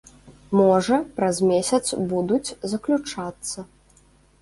Можа, праз месяц будуць заключацца.